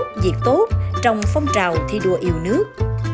điều tốt diệt tốt trong phong trào thi đua yêu nước